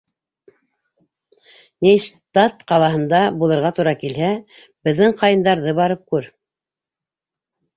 — Нейштадт ҡалаһында булырға тура килһә, беҙҙең ҡайындарҙы барып күр.